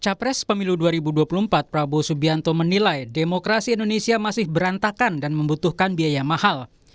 capres pemilu dua ribu dua puluh empat prabowo subianto menilai demokrasi indonesia masih berantakan dan membutuhkan biaya mahal